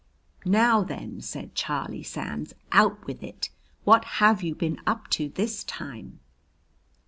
"Now, then," said Charlie Sands, "out with it! What have you been up to this time?"